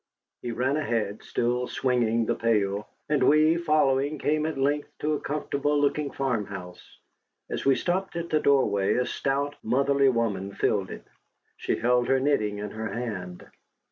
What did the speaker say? He ran ahead, still swinging the pail. And we, following, came at length to a comfortable looking farmhouse. As we stopped at the doorway a stout, motherly woman filled it. She held her knitting in her hand.